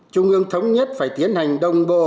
trung ương thống nhất phải tiến hành đồng bộ